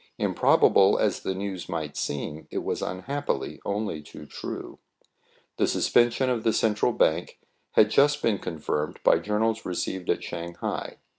Improbable as the news might seem, it was unhappily only too true. The suspension of the Central Bank had just been confirmed by journals received at Shang hai.